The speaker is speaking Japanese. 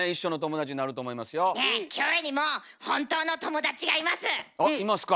キョエにも本当の友達がいます。